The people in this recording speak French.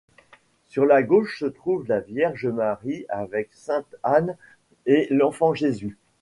Sur la gauche se trouve la Vierge Marie avec Sainte Anne et l'enfant Jésus.